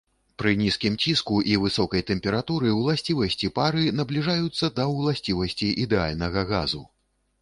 Пры нізкім ціску і высокай тэмпературы ўласцівасці пары набліжаюцца да ўласцівасцей ідэальнага газу.